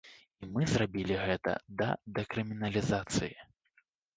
І мы зрабілі гэта да дэкрыміналізацыі.